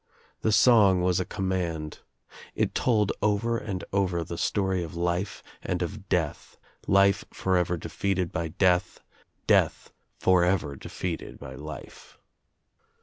The song was a command. It told over and over the story of life and of death, life forever defeated by death, death forever defeated by life.